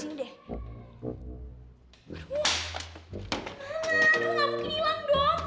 aduh senternya mana